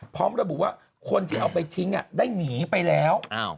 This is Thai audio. พร้อมระบุว่าคนที่เอาไปทิ้งได้หนีไปแล้ว